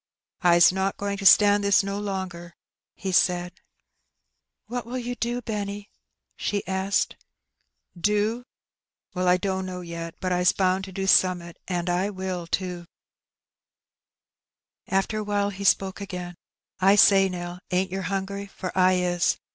"I's not going to stand this no longer," he saicl. " What will you do, Benny ?" she asked. "Do? Well, I dunno, yet; "but Ts bound to do aome'at, asi.' I will too." Afler awhile he spoke i^ain. "I say, Nell, ain't yer hungry? for I is.